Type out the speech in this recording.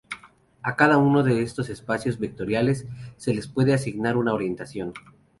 A cada uno de estos espacios vectoriales se le puede asignar una orientación.